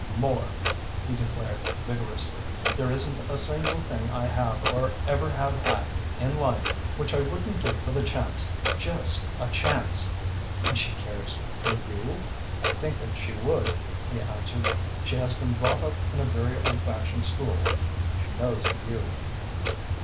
"More," he declared vigorously. "There isn't a single thing I have or ever have had in life which I wouldn't give for the chance just a chance " "And she cares for you?" "I think that she would," he answered. "She has been brought up in a very old fashioned school. She knows of you."